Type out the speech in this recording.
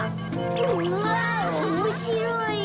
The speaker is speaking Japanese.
うわおもしろい。